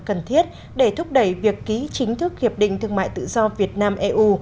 cần thiết để thúc đẩy việc ký chính thức hiệp định thương mại tự do việt nam eu